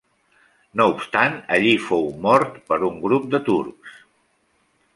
No obstant allí fou mort per un grup de turcs.